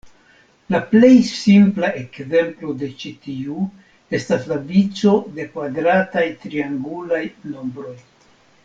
La plej simpla ekzemplo de ĉi tiu estas la vico de kvadrataj triangulaj nombroj.